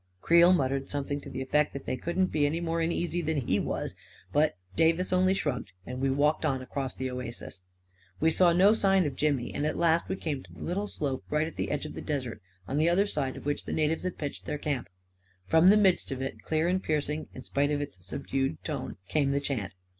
Creel muttered something to the effect that they couldn't be any more uneasy than he was, but Davis only shrugged, and we walked on across the oasis. We saw no sign of Jimmy, and at last we came to 312 A KING IN BABYLON the little slope, right at the edge of the desert, on the other side of which the natives had pitched their camp. From the midst of it, clear and piercing in spite of its subdued tone, came the chant.